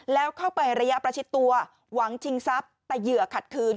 แล้วเข้าไประยะประชิดตัวหวังชิงทรัพย์แต่เหยื่อขัดคืน